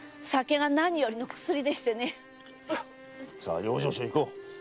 さあ養生所へ行こう。